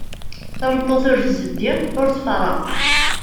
Tameṭṭut ur tzeddi, ur tfeṛṛeq.